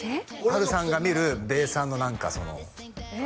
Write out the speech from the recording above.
波瑠さんが見るべーさんの何かそのえ！